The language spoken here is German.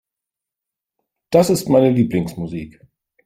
Das ist meine Lieblingsmusik.